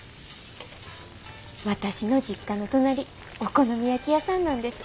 私の実家の隣お好み焼き屋さんなんです。